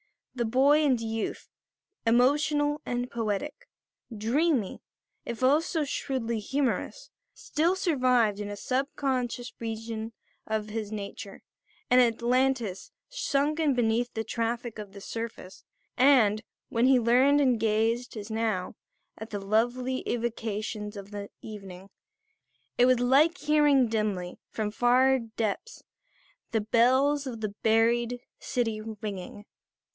The boy and youth, emotional and poetic, dreamy if also shrewdly humorous, still survived in a sub conscious region of his nature, an Atlantis sunken beneath the traffic of the surface; and, when he leaned and gazed, as now, at the lovely evocations of the evening, it was like hearing dimly, from far depths, the bells of the buried city ringing.